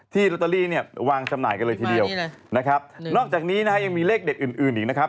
ลอตเตอรี่เนี่ยวางจำหน่ายกันเลยทีเดียวนะครับนอกจากนี้นะฮะยังมีเลขเด็ดอื่นอื่นอีกนะครับ